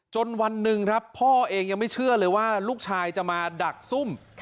วันหนึ่งครับพ่อเองยังไม่เชื่อเลยว่าลูกชายจะมาดักซุ่ม